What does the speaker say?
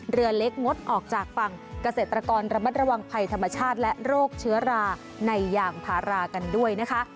เรือเล็กงดออกจากฝั่งเกษตรกรระมัดระวังภัยธรรมชาติและโรคเชื้อราในยางพารากันด้วยนะคะ